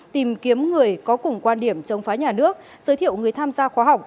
tìm kiếm người có cùng quan điểm chống phá nhà nước giới thiệu người tham gia khóa học